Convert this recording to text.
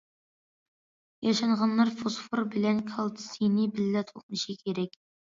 ياشانغانلار فوسفور بىلەن كالتسىينى بىللە تولۇقلىشى كېرەك.